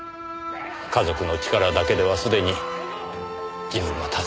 家族の力だけではすでに自分は助からない事に。